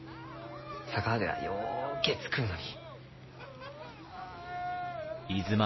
佐川ではようけ作るのに。